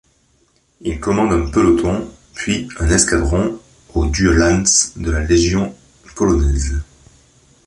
Il commande un peloton, puis un escadron au d'uhlans de la Légion polonaise.